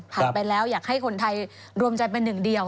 ไปแล้วอยากให้คนไทยรวมใจเป็นหนึ่งเดียว